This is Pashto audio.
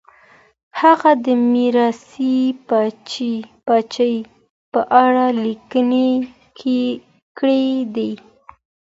هغه د ميراثي پاچاهۍ په اړه ليکنې کړي دي.